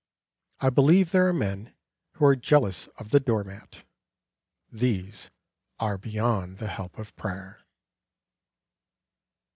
I believe there are men who are jealous of the door mat. These are beyond the help of prayer.